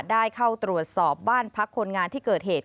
ได้เข้าตรวจสอบบ้านพักคนงานที่เกิดเหตุ